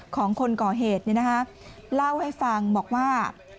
ของคนก่อเหตุเล่าให้ฟังบอกว่า